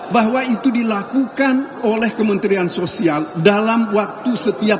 bahwa itu dilakukan oleh kementerian sosial dalam perusahaan yang terhadap bansos